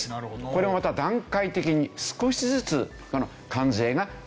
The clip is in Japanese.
これもまた段階的に少しずつ関税がなくなっていく。